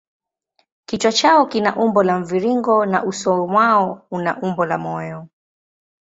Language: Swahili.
Kichwa chao kina umbo la mviringo na uso mwao una umbo la moyo.